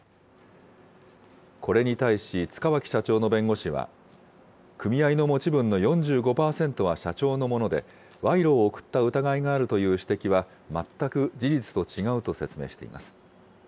これに対し塚脇社長の弁護士は、組合の持ち分の４５％は社長のもので、賄賂を贈った疑いがあるという指摘は全く事実と違うと説明しています。